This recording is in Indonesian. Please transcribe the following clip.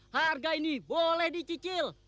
harga ini boleh dicicil